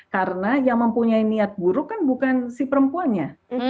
karena yang mempunyai niat buruk kan bukan si perempuannya